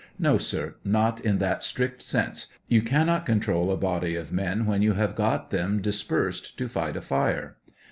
No, sir ; not in that strict sense ; you cannot control a body of men when you have got them dis persed to fight a fire.